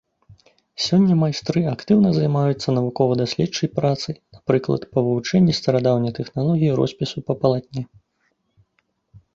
Сёння майстры актыўна займаюцца навукова-даследчай працай, напрыклад, па вывучэнні старадаўняй тэхналогіі роспісу па палатне.